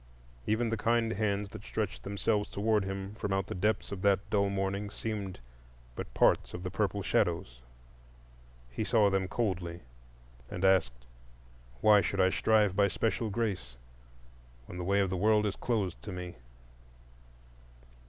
Even the kind hands that stretched themselves toward him from out the depths of that dull morning seemed but parts of the purple shadows. He saw them coldly, and asked, "Why should I strive by special grace when the way of the world is closed to me?"